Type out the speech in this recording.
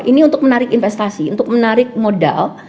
ini untuk menarik investasi untuk menarik modal